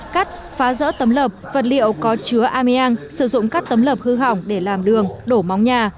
cắt phá rỡ tấm lợp vật liệu có chứa ameang sử dụng các tấm lợp hư hỏng để làm đường đổ móng nhà